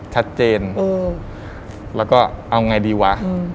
ชัดเจนแล้วก็เอาไงดีวะ